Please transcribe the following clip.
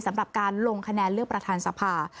สำหรับการลงคะแนนเลือกประธานสภา